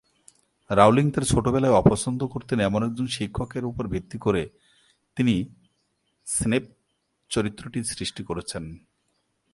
Rowling তার ছোটবেলায় অপছন্দ করতেন এমন একজন শিক্ষকের উপর ভিত্তি করে তিনি স্নেইপ চরিত্রটি সৃষ্টি করেছেন।